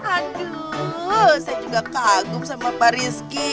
aduh saya juga kagum sama pak rizky